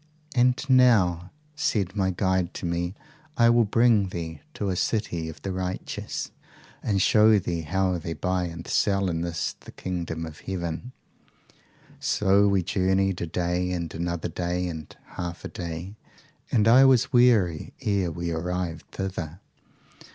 "'And now, said my guide to me, I will bring thee to a city of the righteous, and show thee how they buy and sell in this the kingdom of heaven. So we journeyed a day and another day and half a day, and I was weary ere we arrived thither.